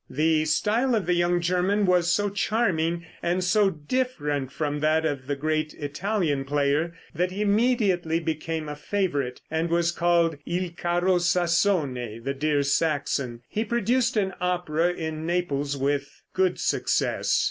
The style of the young German was so charming, and so different from that of the great Italian player, that he immediately became a favorite, and was called Il Caro Sassone ("The dear Saxon"). He produced an opera in Naples with good success.